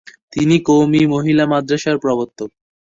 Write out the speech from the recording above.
তিনি কওমি মহিলা মাদ্রাসার প্রবর্তক।